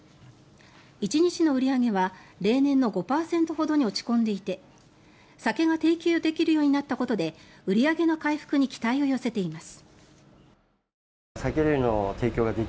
１日の売り上げは例年の５％ほどに落ち込んでいて酒が提供できるようになったことで売り上げの回復に期待を寄せています。